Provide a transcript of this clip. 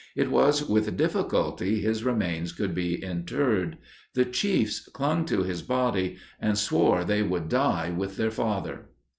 It was with difficulty his remains could be interred. The Chiefs clung to his body, and swore they would die with their father.